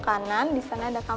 masa understandoko om